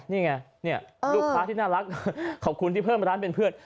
นี่ไงลูกค้าที่น่ารักขอบคุณที่เพิ่มร้านเป็นเพื่อน